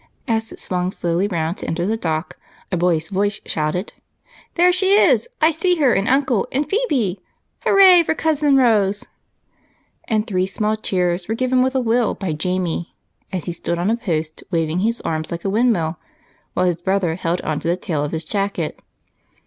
As it swung slowly around to enter the dock, a boyish voice shouted, "There she is! I see her and Uncle and Phebe! Hooray for Cousin Rose!" And three small cheers were given with a will by Jamie as he stood on a post waving his arms like a windmill while his brother held onto the tail of his jacket.